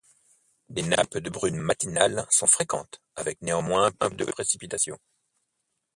Des nappes de brumes matinales sont fréquentes avec néanmoins peu de précipitations.